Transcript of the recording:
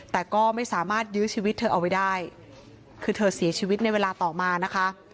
แต่ก็ไม่สามารถยื้อชีวิตเธอเอาไว้ได้คือเธอเสียชีวิตในเวลาต่อมานะคะ